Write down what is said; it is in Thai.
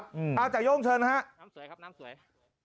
อืมอ่าจ่ายโย่งเชิญนะครับน้ำสวยครับน้ำสวย